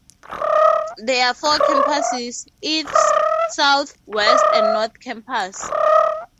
There are four campuses: East, South, West and North Campus.